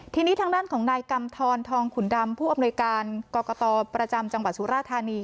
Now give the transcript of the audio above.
ทีนี้ทางด้านของนายกำทรทองขุนดำผู้อำนวยการกรกตประจำจังหวัดสุราธานี